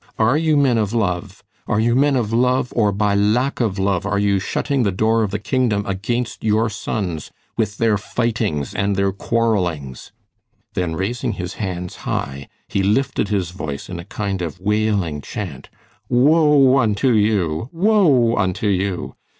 Are you men of love? Are you men of love, or by lack of love are you shutting the door of the Kingdom against your sons with their fightings and their quarrelings?" Then, raising his hands high, he lifted his voice in a kind of wailing chant: "Woe unto you! Woe unto you!